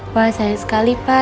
wah sayang sekali pak